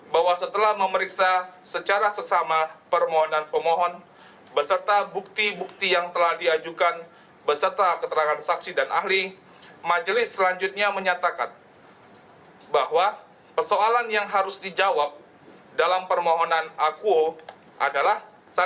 bahwa setelah memeriksa secara seksama permohonan pemohon beserta bukti bukti yang telah diajukan beserta keterangan saksi dan ahli majelis selanjutnya menyatakan bahwa persoalan yang harus dijawab dalam permohonan akuo adalah